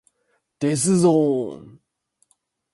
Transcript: Much of the material performed by Trio!